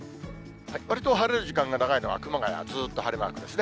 わりと晴れる時間が長いのは熊谷、ずっと晴れマークですね。